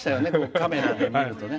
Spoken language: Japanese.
カメラで見るとね。